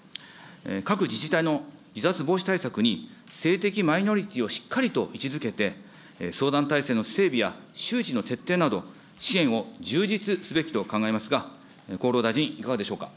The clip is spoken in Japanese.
各自治体の自殺防止対策に性的マイノリティーをしっかりと位置づけて、相談体制の整備や周知の徹底など、支援を充実すべきと考えますが、厚労大臣、いかがでしょうか。